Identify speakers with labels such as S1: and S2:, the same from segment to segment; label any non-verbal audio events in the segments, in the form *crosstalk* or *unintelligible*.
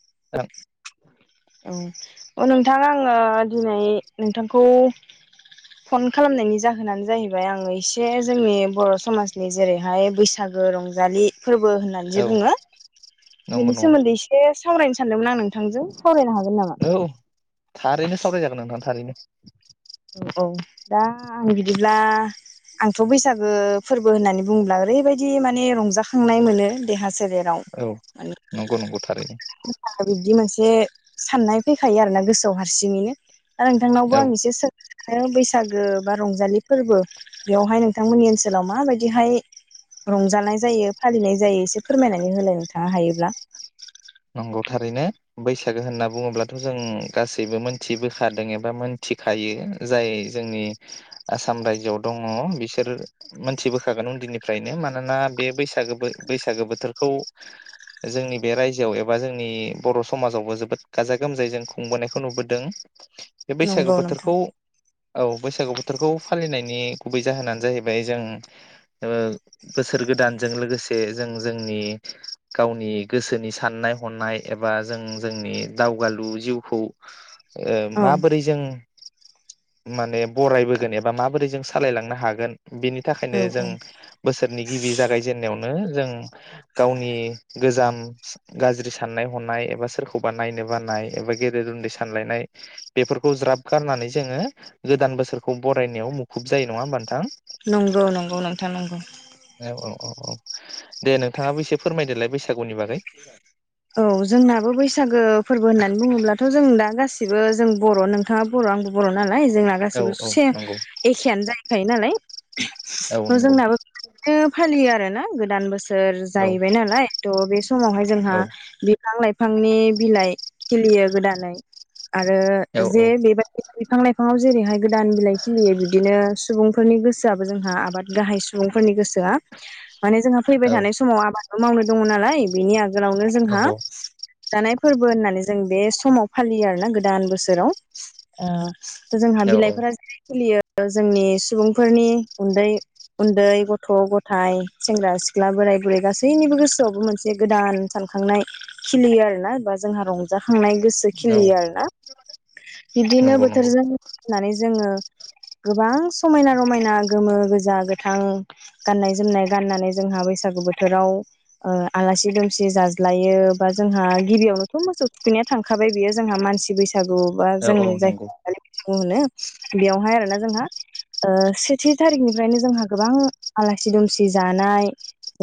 S1: *unintelligible*
S2: औ अ नोंथां आंङो दिनै नोंथांखौ फन खालामनायनि जाहोनानो जाहैबाय आंङो एसे जोंनि बर' समाजनि जेरैहाय बैसागो रंजालि फोरबो होननानै जे
S1: औ
S2: बुङो
S1: नंगौ
S2: बेनि
S1: नंगौ
S2: सोमोन्दै इसे सा सावरायनो सानदोंमोन आं नोंथांजों सावरायनो हागोन नामा?
S1: औ थारैनो सावरायजागोन नोंथां थारैनो
S2: औ औ दा आं बिदिब्ला आंथ' बैसागो फोरबो होननानै बुङोब्ला ओरैबायदि माने रंजाखांनाय मोनो देहा सोलेराव
S1: औ नंगौ नंगौ थारैनो
S2: *unintelligible* बिब्दि मोनसे बे साननाय फैखायो आरोना गोसोआव हारसिङैनो दा नोंथांनावबो
S1: औ
S2: आं एसे सों आरो बैसागो बा रंजालि फोरबो बेयावहाय नोंथांमोननि ओनसोलाव माबायदिहाय रंजानाय जायो फालिनाय जायो एसे फोरमायनानै होलाय नोंथांङा हायोब्ला।
S1: नंगौ थारैनो बैसागो होनना बुंङोब्लाथ जों गासैबो मोनथिबोखादों एबा मोनथिखायो जाय जोंनि आसाम रायजोआव दंङ बिसोर मोनथिबोखागोन उन्दैनिफ्रायनो मानोना बे बैसागो बैसागो बोथोरखौ जोंनि बे रायजोआव ए बा जोंनि बर समाजावबो जोबोद गाजा गोमजायै जों खुंबोनायखौ नुबोदों बे बैसागु
S2: नंगौ नोंथां
S1: बोथोरखौ औ बैसागु बोथोरखौ फालिनाय। नि गुबै जाहोनानो जाहैबाय जों ओ बोसोर गोदानजों लोगोसे जों जोंनि गावनि गोसोनि साननाय। हनाय एबा जों जोंनि दावगालु जिउखौ ओ
S2: औ
S1: माबोरै जों माने बरायबोगोन माबायदि सालाय लांगोन बेनि
S2: औ
S1: थाखायनो जों
S2: औ
S1: बोसोरनि गिबि जागायजेननायावनो। जों गावनि गोजाम गाज्रि सान साननाय हनाय एबा सोरखौबा नायनो बानाय एबा गेदेर उन्दै सानलायनाय बेफोरखौ ज्राब गारनानै जोंङो गोदान बोसोरखौ बरायनायाव मुखुब जायो नंङा होमबा नोंथां।
S2: नंगौ नंगौ नोंथां नंगौ।
S1: औ औ औ औ दे नोंथांङाबो एसे फोरमायदोलाय बैसागुनि बागै।
S2: औ जोंनाबो बैसागो फोरबो होननानै बुंङोब्लाथ जों दा गासिबो जों बर' नोंथांङा बर'आंबो बर' नालाय। जोंना
S1: औ
S2: गाससिबो
S1: औ
S2: से
S1: नंगौ
S2: एखेयानो जाहैखायो नालाय।
S1: औ नंगौ
S2: जोंनाबो बिदिनो फालियो आरोना। *unintelligible* सोर
S1: औ
S2: जाहैबाय नालाय थ' बे समावहाय जोंहा
S1: औ
S2: बिफां लाय बिफांनि बिलाइ खिलियो गोदानै। आरो
S1: औ औ
S2: जे बेबायदिनो बिफां लाइफाङाव। जेरैहाय गोदान बिलाइ खिलियो बिदिनो सुबुंफोरनि गोसोआबो जोंहा आबाद गाहाय सुबुंफोरनि गोसोआ। माने जोंहा फैबाय थानाय समाव आबाद। मावनो दङ नालाय बेनि आगोलाव जोंहा
S1: नंगौ
S2: दा फोरबो होननानै जों बे समाव फालियो आरोना गोदान बोसोराव ओ जोंहा
S1: औ
S2: बिलाइफोरा *unintelligible* खिलियो। जोंनि सुबुंफोरनि उन्दै उन्दै गथ गथाय सेंग्रा सिख्ला बोराय बुरै गासैनिबो गोसोआवबो मोनसे गोदान सानखांनाय खिलियो आरोना बा जोंहा रंजा थांनाय गोसो
S1: औ
S2: खिलियो आरोना बिदिनो
S1: नंगौ नंगौ
S2: बोथोरजों फैनानै जोङो गोबां समायना रमायना गोमो गोजा गोथां गाननाय जोमनाय गाननानै जोंहा बैसागु बोथोराव आलासि दुमसि। सि जाज्लायो बा जोंहा गिबियावनोथ' मोसौ थुखैनाया थांखाबाय बेयो जों मानसि बैसो बैसागु बा
S1: औ औ
S2: जों जाय
S1: नंगौ
S2: *inaudible* होनो। बेयावहाय आरोना जोंहा ओ सेथि थारिखनिफ्रायनो जोंहा गोबां आलासि दुमसि जानाय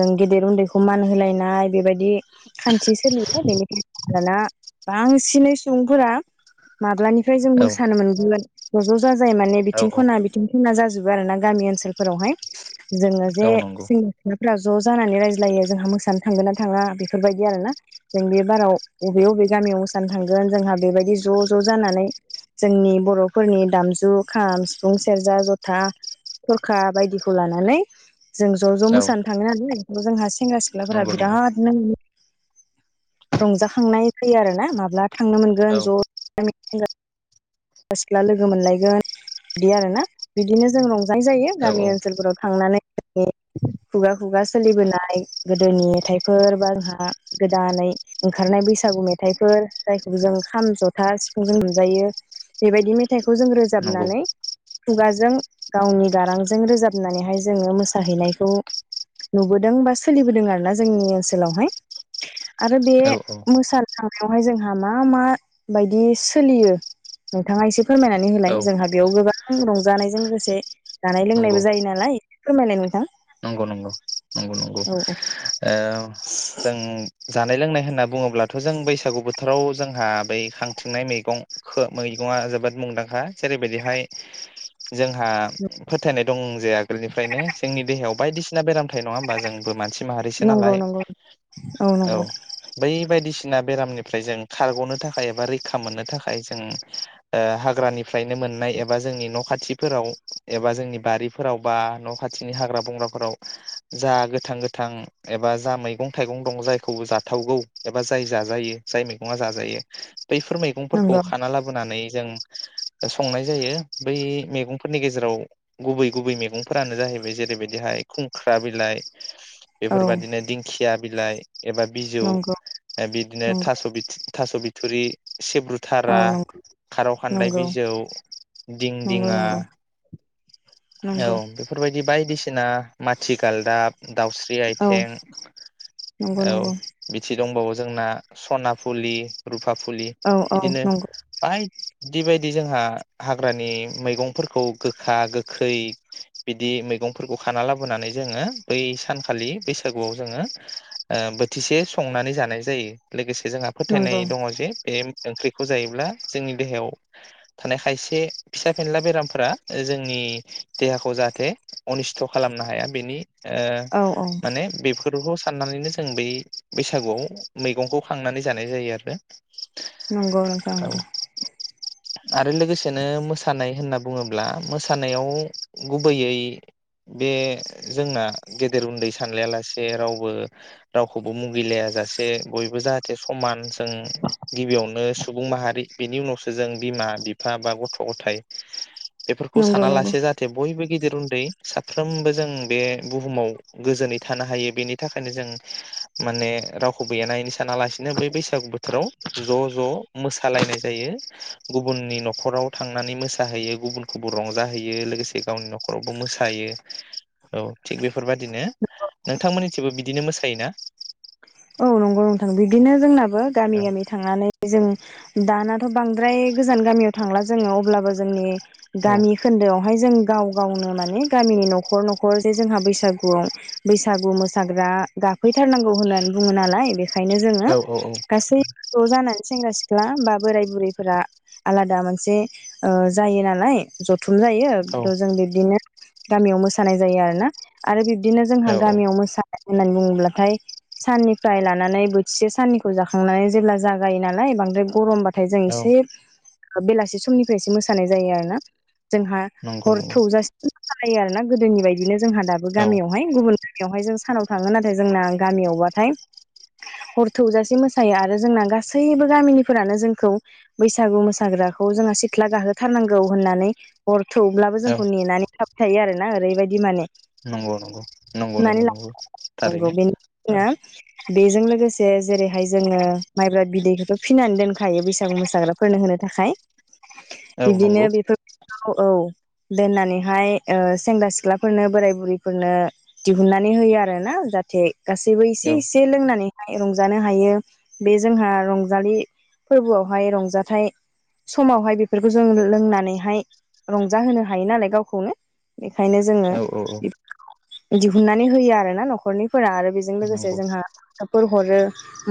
S2: जों गेदेर उन्दैखौ मान होलायनाय बेबायदि। बि खान्थि सोलियो बेनिनो आरोना बांसिनै सुबुंफोरा माब्लानिफ्राय जों
S1: औ
S2: मोसानो मोनगोन ज' ज' जा जाय। जाय माने
S1: औ
S2: बिथिं खना बिथिं। जोंना जाजोबो आरो ना गामि ओनसोलफोरावहाय। जोङो जे
S1: औ नंगौ
S2: जों। ज जानानै रायज्लायो जोंहा मोसानो थांगोन थाङा बेफोरबायदि आरोना जों बे बाराव बबे बबे गामियाव मोसानो थांगोन जोंहा बेबायदि ज' ज' जानानै जोंनि बर'फोरनि दामजु खाम सिफुं सेरजा जथा खरखा बायदिखौ लानानै जों ज' ज'
S1: औ
S2: मोसानो थाङो *unintelligible* जोंहा सेंग्रा सिख्लाफोरा
S1: नंगौ नंगौ
S2: बिराद *unintelligible* रंजाखांनाय फै आरो ना माब्ला थांनो
S1: औ
S2: मोनगोन ज' *unintelligible* सिख्ला लोगो मोनलायगोन बिदि आरोना बिदिनो जों रंजानाय जायो
S1: औ
S2: गामि
S1: औ
S2: ओनसोलफोराव थांनानै खुगा खुगा सोलिबोनाय गोदोनि मेथाइफोर बा जोंहा गोदानै ओंखारनाय बैसागु मेथाइफोर जायखौ जों खाम जथा सिफुंजों मोनजायो। बेबायदि मेथाइखौ जों
S1: नंगौ
S2: रोजाबनानै खुगाजों गावनि गारांजों रोजाबनानैहाय जोङो मोसाहैनायखौ नुबोदों बा सोलिबोदों आरोना जोंनि ओनसोलावहाय। आरो बे
S1: औ
S2: मोसाखांनायावहाय जोंहा मा मा बायदि सोलियो? नोंथाङा एसे फोरमायनानै होलाय
S1: औ
S2: जोंहा बेयाव गोबां रंजानायजों लोगोसे जानाय
S1: नंगौ
S2: लोंनायबो जायो नालाय फोरमायनायाय नोंथां
S1: नंगौ नंगौ नंगौ
S2: औ
S1: जों
S2: औ।
S1: जानाय लोंनाय होनना बुङोब्लाथ' जों बैसागु बोथोराव जोंहा बै खांथिंनाय मैगं खो मैगंआ जोबोद मुंदांखा जेरैबायदिहाय। जोंहा फोथायनाय दं जे आगोलनिफ्रायनो जोंनि देहायाव बायदिसि ना बेराम। नङा होमबा जोंबो मानसि माहारिसो
S2: नंगौ
S1: नालाय।
S2: नंगौ
S1: औ बै बायदिसिना बेरामनिफ्राय जों खारग'नो थाखाय एबा रैखा मोननो थाखाय जों ओ हाग्रानिफ्रायनो मोननाय एबा जोंनि न' खाथिफोराव एबा जोंनि बारिफोराव बा न' खाथिनि हाग्रा बंग्राफोराव जा गोथां गोथां एबा जा मैगं थाइगं दं जायखौ जाथावगौ एबा जाय जाजायो जाय मैगंआ जाजायो। बैफोर मैगंफोरखौ
S2: नंगौ
S1: खाना लाबोनानै। जों संनाय जायो बै मेगंफोरनि गेजेराव गुबै गुबै मेगंफोरानो जाहैबाय जेरैबायदिहाय खुंख्रा बिलाइ।
S2: औ
S1: बेफोरबादिनो दिंखिया। बिलाइ। एबा बिजौ
S2: नंगौ
S1: बिदिनो
S2: नंगौ
S1: थास' बिथथि थास' बिथुरि।
S2: औ
S1: सेब्रुथारा
S2: नंगौ
S1: खारौ खान्दाय
S2: नंगौ
S1: बिजौ दिं
S2: नंगौ
S1: दिङा।
S2: नंगौ नंगौ
S1: औ बेफोरबायदि बाय *unintelligible* माथि गालदाब दाउस्रि
S2: औ
S1: आथिं
S2: नंगौ
S1: औ
S2: नंगौ
S1: बिथि दंबावो जोंना सना फुलि रु फुलि
S2: औ औ
S1: बिदिनो
S2: नंगौ
S1: आइ। बिबायदि जोंहा हाग्रानि मैगंफोरखौ गोखा गो खै बिदि मैगंफोरखौ खाना लाबोनानै जोङो बै सानखालि बैसागुआव जोङो ओ बोथिसे संनानै जानाय जायो लोगोस जोङा फोथायनाय
S2: नंगौ
S1: दङ जे बे ओंख्रिखौ जायोब्ला जोंनि देहायाव थानाय खायसे बे फिसा फेनला बेरामफोरा ओ जोंनि देहाखौ जाहाथे अनिस्थ खालामनो हाया बेनि
S2: औ
S1: ओह
S2: औ
S1: माने बेफो बेफोरखौ साननानैनो जों बै बैसागुवाव मैगंखौ खांनानै जानाय जायो आरो
S2: नंगौ नोंथां
S1: औ
S2: नंगौ।
S1: आरो लोगोसेनो मोसानाय होनना बुङोब्ला मोसाना नायाव गुबैयै बे जोंना गेदेर उन्दै सानलाया लासे रावबो रावखौबो मुगैलाया जासे बयबो जाहाथे समान ओं गिबियावनो सुबुं माहारि बेनि उनावसो जों बिमा बिफा बा गथ' गथाइ बेफोरखौ सा
S2: नंगौ
S1: साना
S2: नंगौ
S1: लासे जाथे बयबो गिदिर उन्दै साफ्रोमबो जों बे बुहुमाव गोजोनै थानो हायो बेनि थाखायनो जों माने रावखौबो एना एनि सा। सानालासिनो बै बैसागु बोथोराव ज' ज' मोसा सालायनाय जायो गुबुननि न'खराव थांनानै मोसाहैयो गुबुनखौ रंजाहैयो लोगोसे गावनि न'खरावबो मोसायो औ थिग बेफोरबादिनो नोंथांमोननि थिबो बिदिनो मोसायोना?
S2: औ नंगौ नोंथां बिदिनो जोंना बो गामि
S1: औ
S2: गामि थांनानै जों दानाथ' बांद्राय गोजान गामियाव थांला जोङो अब्लाबो जोंनि
S1: औ
S2: गामि खोन्दोआवहाय जों गाव गावनो माने गामिनि न'खर न'खर जे जोंहा बैसागुवाव बैसागु मोसाग्रा गाफैथारनांगौ होनना बुङो नालाय बेख खायनो जोङो
S1: औ औ
S2: गासै ज' जानानै सेंग्रा सि ख्ला बा बोराय बुरैफोरा आलादा मोनसे ओ जायो नालाय ज *unintelligible* जायो आरो
S1: औ
S2: द जों बिदिनो गामियाव मोसानाय जायो आरो ना आरो बि बिदिनो जोंहा
S1: औ औ
S2: गामियाव मोसानाय होननानै बुङो ब्लाथाय साननिफ्राय लानानै बोथिसे साननिखौ जाखांनानै जेब्ला जागायो नालाय बांद्राय गरमबाथ थाय जों
S1: औ
S2: इसे बेलासि समनिफ्रायसो मोसानाय जायो आरो ना। जोंहा
S1: नंगौ
S2: हर
S1: नंगौ
S2: थौजासि सालायो आरो ना गोदोनि बायदिनो जोंहा दाबो
S1: औ
S2: गामियावहाय गुबुन गामियावहाय जों सानाव थाङो नाथाय जोंना गामियावबा थाय हर थौजासे मोसायो आरो जोंना गासैबो गामिनिफोरानो जोंखौ बैसागु मोसाग्राखौ जोंहा सिथ्ला गाहोथारनांगौ होननानै हर थौब्लाबो
S1: औ
S2: जोंखौ नेनानै थाब खायो आरोना ओरैबायदि माने।
S1: नंगौ नंगौ नंगौ
S2: हमनानै
S1: नंगौ नंगौ
S2: लानांगौ
S1: थारैनो
S2: बेनि
S1: औ।
S2: जोङो बेजों लोगोसे जेरैहाय जोङो माइब्रा बिदैखौथ' फिनानै दोनखायो बैसागु मोसाग्राफोरनो होनो थाखाय।
S1: औ नंगौ
S2: इदिनो बेफोरखौ औ। दोननानैहाय ओ सेंग्रा सिख्लाफोरनो बोराय बुरैफोरनो दिहुनन्नानै होयो आरोना जाहाथे गासैबो इ
S1: औ
S2: से एसे लोंनानै। हाय रंजानो हायो। बे जोंहा रंजालि फोरबोआवहाय रंजाथाइ समावहाय बेफोरखौ जों लोंनानैहाय रंजाहोनो हायो नालाय गावखौनो। बेखायनो जोङो
S1: औ औ औ
S2: दिहुननानै होयो आरो ना न'खरनि फोरा आरो बेजों लोगोसे जो
S1: नंगौ
S2: जोंहा एफोर हरो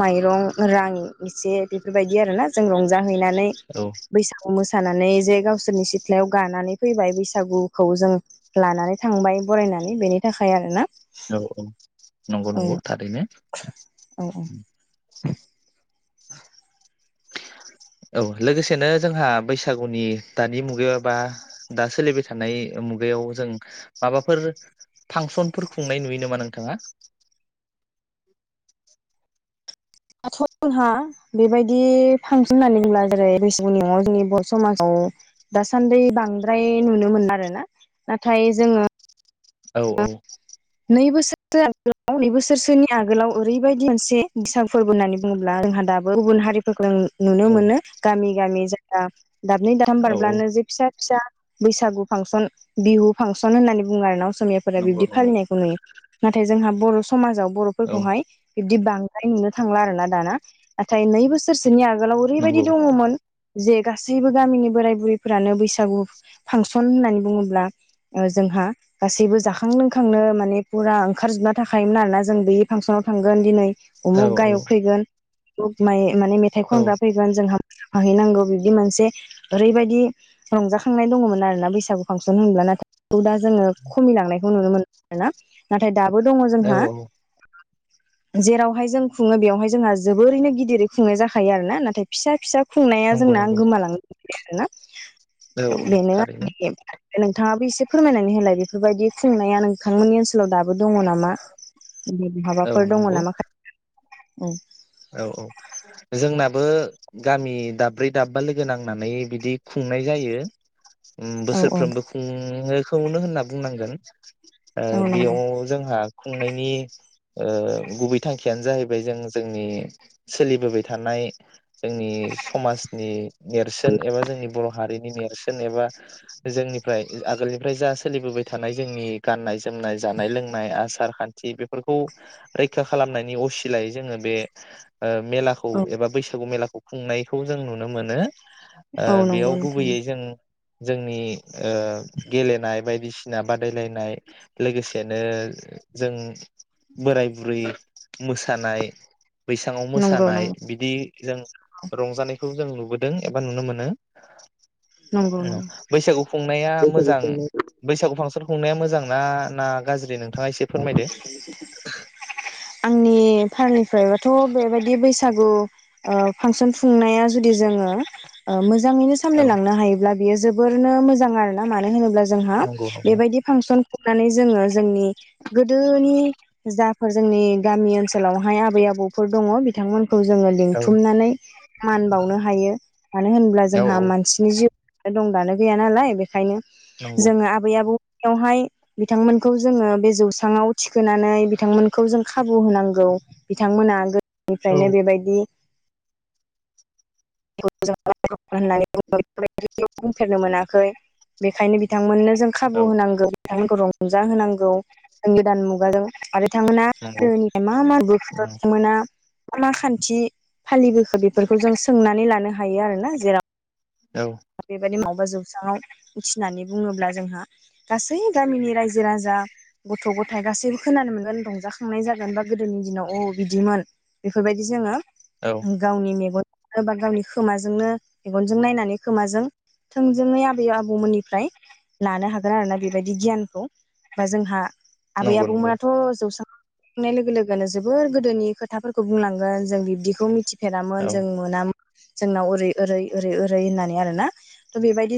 S2: माइरं रां इसे बेफोरबायदि आरोना जों रंजा हैनानै
S1: औ
S2: बैसागु मोसा थानानै जे गावसोरनि सिथ्लायाव गानानै फैबाय बैसागुखौ जों लानानै थांबाय बरायनानै बेनि थाखाय आरोना।
S1: औ औ नंगौ
S2: औ
S1: नंगौ थारै। दिनो
S2: औ
S1: ओम।
S2: *inaudible*
S1: औ लोगोसेनो जोंहा बैसागुनि दानि मुगायाव एबा दा सोलिबाय थानाय मुगायाव जों माबाफोर फांसनफोर खुंनाय नुयो नामा नोंथाङा?
S2: दाथ' जोंहा बेबायदि फांसन होननानै बुंला जेरै बैसागुनि मुङाव जोंनि बर' समाजाव दासान्दि बांद्राय नुनो मोनो आरोना नाथाय जोङो
S1: औ औ
S2: नै बोसोरसो आगोलाव नै बोसोरसोनि आगोलाव ओरैबायदि मोनसे बिसां फोरबो होननानै बुङोब्ला जोंहा दाबो गुबुन हारिफोरजों नुनो
S1: औ
S2: मोनो गामि गामि दा दाबनै दामथाम
S1: औ औ
S2: बारब्लानो जे फिसा फिसा बैसागु फांसन बिहु फांसन होननानै बुङो आरो न' असमियाफोरा
S1: नंगौ
S2: बिबदि
S1: नंगौ
S2: फालिनाय *unintelligible* नाथाय जोंहा बर' समाजाव
S1: औ
S2: बर'फोरखौहाय दि बांद्राय नुनो थांला आरो ना दाना नाथाय नै बोसोरसोनि आगो गोलाव ओरैबायदि
S1: नंगौ
S2: दङमोन जे गासैबो गामिनि बोराय बुरैफोरानो बैसागु फांसन होननानै बुङोब्ला जोंहा गासैबो जाखां लोंखांनो मा ने फुरा ओंखारजोबना थाखायो नालाय जों बे फांसनाव थांगोन दिनै
S1: औ
S2: उमुख
S1: औ
S2: गायक फैगोन। दख माय माने मेथाइ
S1: औ
S2: खनग्रा फैगोन जोंहा हैनांगौ बिबदि मोनसे ओरैबायदि रंजाखांनाय दङमोन आरोना बैसागु फांसन होनब्ला नाथाय दा जोङो खमिलांनायखौ नुनो मोन ना नाथाय दाबो दङ
S1: औ
S2: जोंहा।
S1: औ
S2: जेरावहाय जों खुङो बेवहाय जोंहा जोबोरैनो गिदिरै खुंनाय जाखायो आरो ना नाथाय फिसा फिसा खुंनाया
S1: नंगौ
S2: जोंनां
S1: नंगौ
S2: गोमालां
S1: औ
S2: *unintelligible*
S1: औ
S2: बेनो
S1: थारैनो
S2: *unintelligible* नोंथाङाबो एसे फोरमायनानै होलाय बेफोरबायदि खुंनाया नों थांमोननि ओनसाव दा बो दङ नामा
S1: औ
S2: बहाबाफोर दङ
S1: नंगौ
S2: नामा खा उम
S1: औ औ जोंना बो गामि दाब्रै दाबबा लोगो नांनानै बिदि खुंनाय जायो। उम
S2: औ
S1: बोसोरफ्रोमबो खुंङो। खौनो होनना बुंनांगोन ओ
S2: औ नंगौ।
S1: बेयाव जोंहा खुंनायनि ओ गुबै थांखियानो जाहैबाय जों जोंनि सोलिबोबाय थानाय जोंनि समाजनि नेरसोन एबा जोंनि बर' हारि नेरसोन एबा जोंनिफ्राय आगोलनिफ्राय जा सोलिबोबाय थानाय जोंनि गाननाय-जोमनाय जानाय लोंनाय आसार खान्थि बेफोरखौ रैखा खालामनायनि असिलायै जोङो बे ओ मेलाखौ
S2: औ
S1: एबा बैसागु मेलाख खुंनायखौ जों नुनो मोनो। ओ
S2: औ नंगौ
S1: बेयाव
S2: नोंथां
S1: गुबैयै जों जोंनि ओ गेलेनाय बायदिसिना बादायलायनाय लोगोसेनो जों बोराय बुरै मोसानाय बैसाङाव
S2: नंगौ
S1: मोसानाय
S2: नंगौ
S1: बिदि जों रंजानाय खौ जों नुबोदों एबा नुनो मोनो।
S2: नंगौ
S1: ओम
S2: नंगौ।
S1: बैसागु खुंनाया
S2: बैसागु
S1: मोजां
S2: खुंनाय
S1: बैसागु फांसन खुंनाया मोजां ना नार
S2: आंनि फारनि फ्रायबाथ' बेबायदि बैसागु। ओ फांसन खुंनाया जुदि जोङो ओ मोजां। मोजाङैनो
S1: औ
S2: सामलायलांनोहायोब्ला बियो जोब बोरनो मोजां आरो ना मानो होनोब्ला जोंहा
S1: नंगौ नंगौ
S2: बेबायदि फांसन खुंनानै जोङो जोंनि गोदोनि जाफोर जोंनि गामि ओनसोलावहाय आबै आबौफोर दङ बिथांमोनखौ। खौ जोङो
S1: औ
S2: लिंथुमनानै मान बावनो हायो मानो होनोब्ला
S1: औ
S2: जोंहा
S1: औ
S2: मानसिनि जिउ। दं दानो गैया नालाय बेखायनो।
S1: नंगौ
S2: जोङो आबै आबौ। बेवहाय बिथांमोन। खौजोंङो बे जौस्रांआव थिग। होनानै बिथांमोनखौ जों खाबु होनांगौ। गौ बिथांमोना गो
S1: औ
S2: निफ्रायनो बेबायदि। *unintelligible* होननाय *unintelligible* बुंफेरनो मोनाखै बेखायनो बिथांमोननो। जों खाबु होनांगोन। बिथांमोनखौ रं रंजाहोनांगौ जों गोदान मुगाजों आरो। बिथांमोना
S1: नंगौ
S2: *unintelligible* मा मा नुबोखो बिथांमोना। आमा खान्थि फालिबोखो बेफोरखौ जों सोंनानै लानो हायो आरोना जेराव।
S1: औ।
S2: बेबायदि मावबबा जौस्राङाव उथिनानै बुङोब्ला जोंहा गासै गामिनि रायजो राजा गथ'गथाय गासैबो खोनानो मोनगोन रंजाखांनाय जागोन बा गोदोनि दिनाव औ बिदिमोन बेफोरबायदि जोङो।
S1: औ
S2: गावनि मेगन। सोरबा गावनि खोमाजोंनो मेगनजों नायनानै। खोमाजों थोंजोङै आबै आबौमोननिफ्राय लानो हागोन आरोना बेबायदि गियानखौ बा जोंहा। आबै
S1: नंगौ नंगौ
S2: आबौमोनाथ' जौस्रां बुंनाय लोगो लोगोनो जोबोर गोदोनि खोथाफोरखौ बुंलांगोन जों बिब्दिखौ मिथि फेरामोन
S1: औ
S2: जों मोनामोन। जोंनाव ओरै ओरै ओरै ओरै होननानै। बेआरो ना त बेबायदिस।